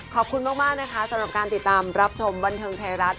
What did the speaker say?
ขอบคุณมากนะคะสำหรับการติดตามรับชมบันเทิงไทยรัฐ